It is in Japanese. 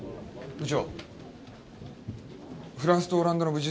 部長。